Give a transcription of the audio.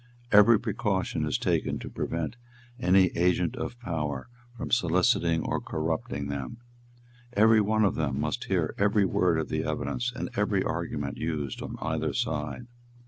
Every precaution is taken to prevent any agent of power from soliciting or corrupting them. Every one of them must hear every word of the evidence and every argument used on either side.